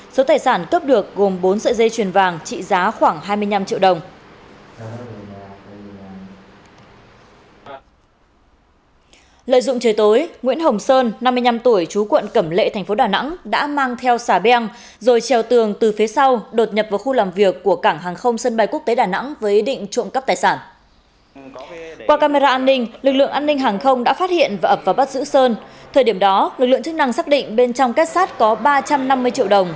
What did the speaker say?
số tài sản cấp được gồm bốn sợi dây truyền vàng trị giá khoảng hai mươi năm triệu đồng